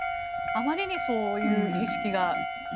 あまりにそういう意識が。